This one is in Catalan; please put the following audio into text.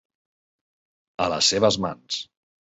A les seves mans.